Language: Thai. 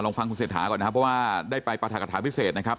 ฟังคุณเศรษฐาก่อนนะครับเพราะว่าได้ไปปรัฐกฐาพิเศษนะครับ